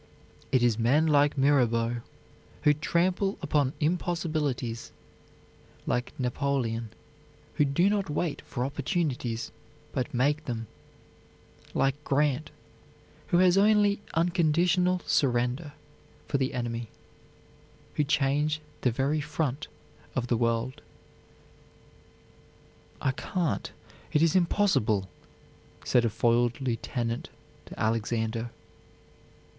It is men like Mirabeau, who "trample upon impossibilities"; like Napoleon, who do not wait for opportunities, but make them; like Grant, who has only "unconditional surrender" for the enemy, who change the very front of the world. "I can't, it is impossible," said a foiled lieutenant to Alexander.